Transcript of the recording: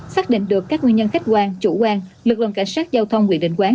xác định được các nguyên nhân khách quan chủ quan lực lượng cảnh sát giao thông quy định quán